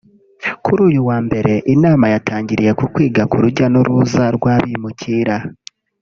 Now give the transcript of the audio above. Kuri uyu wambere inama yatangiriye ku kwiga ku rujya n’uruza rw’abimukira